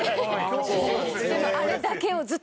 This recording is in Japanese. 広瀬：あれだけを、ずっと。